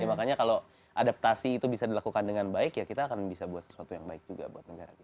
makanya kalau adaptasi itu bisa dilakukan dengan baik ya kita akan bisa buat sesuatu yang baik juga buat negara kita